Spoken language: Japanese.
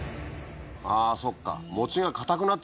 ああそっか。